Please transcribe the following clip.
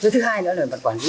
thứ hai nữa là mặt quản lý